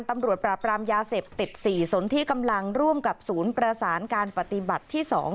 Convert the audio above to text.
ตำรวจปราบรามยาเสพติด๔สนที่กำลังร่วมกับศูนย์ประสานการปฏิบัติที่๒